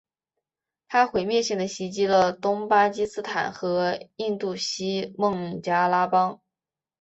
它毁灭性地袭击了东巴基斯坦和印度西孟加拉邦。